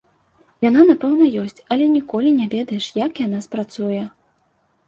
Яна, напэўна, ёсць, але ніколі не ведаеш, як яна спрацуе.